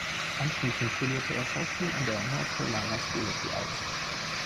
Anschließend studierte er Schauspiel an der "North Carolina School of the Arts".